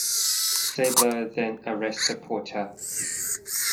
Stabler then arrested Porter.